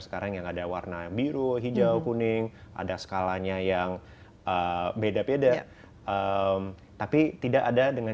sekarang yang ada warna biru hijau kuning ada skalanya yang beda beda tapi tidak ada dengan